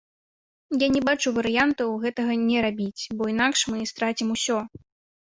І я не бачу варыянтаў гэтага не рабіць, бо інакш мы страцім усё.